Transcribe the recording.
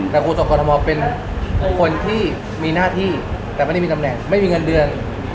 แต่โฆษกรทมเป็นคนที่มีหน้าที่แต่ไม่ได้มีตำแหน่งไม่มีเงินเดือน